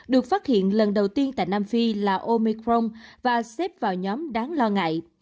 được phát hiện lần đầu tiên tại nam phi là omicron và xếp vào nhóm đáng lo ngại